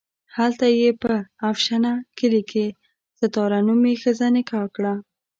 هلته یې په افشنه کلي کې ستاره نومې ښځه نکاح کړه.